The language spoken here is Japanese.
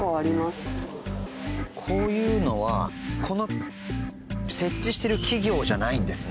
こういうのはこの設置してる企業じゃないんですね。